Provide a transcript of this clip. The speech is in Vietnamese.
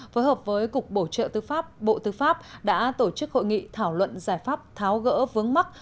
phối hợp với cục bổ trợ tư pháp bộ tư pháp đã tổ chức hội nghị thảo luận giải pháp tháo gỡ vướng mắt